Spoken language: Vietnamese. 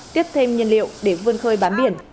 tiếp thêm nhân liệu để vươn khơi bán biển